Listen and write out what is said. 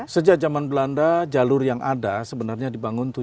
sejak zaman belanda jalur yang ada sebenarnya dibangun tujuh ribu tiga ratus km